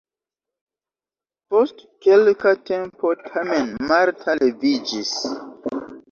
Post kelka tempo tamen Marta leviĝis.